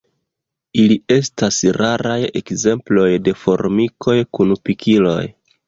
Ili estas raraj ekzemploj de formikoj kun pikiloj.